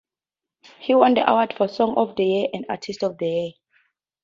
He won the awards for Song of the Year and Artist of the Year.